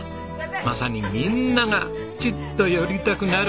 まさにみんなが「ちっと寄りたくなる」